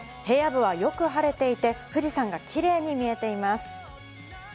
平野部はよく晴れていて、富士山がキレイに見えています。